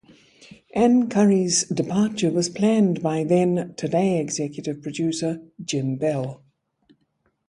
Ann Curry's departure was planned by then "Today" executive producer, Jim Bell.